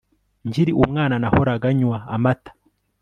Nkiri umwana nahoraga nywa amata